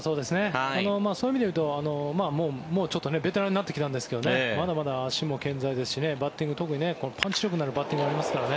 そういう意味で言うとちょっとベテランになってきたんですがまだまだ足も健在ですし特にパンチ力のあるバッティングがありますからね。